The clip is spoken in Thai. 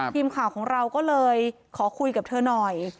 ทีมข่าวของเราก็เลยขอคุยกับเธอหน่อย